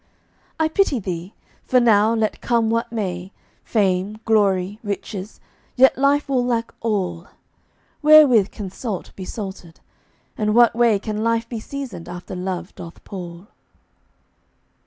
I pity thee; for now, let come what may, Fame, glory, riches, yet life will lack all. Wherewith can salt be salted? And what way Can life be seasoned after love doth pall?